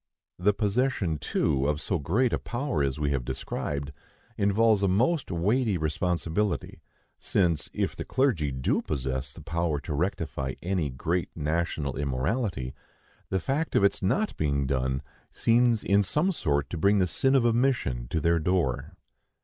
The possession, too, of so great a power as we have described, involves a most weighty responsibility; since, if the clergy do possess the power to rectify any great national immorality, the fact of its not being done seems in some sort to bring the sin of the omission to their door.